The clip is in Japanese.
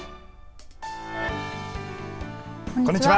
こんにちは。